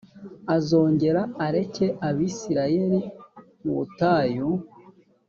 azongera areke abisirayeli mu butayu